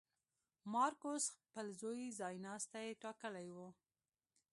مارکوس خپل زوی ځایناستی ټاکلی و.